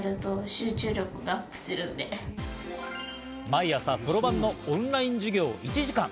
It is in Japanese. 毎朝そろばんのオンライン授業を１時間。